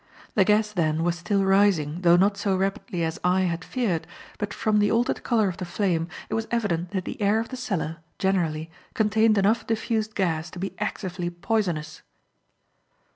The gas, then, was still rising, though not so rapidly as I, had feared, but from the altered colour of the flame, it was evident that the air of the cellar, generally, contained enough diffused gas to be actively poisonous.